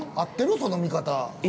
その見方。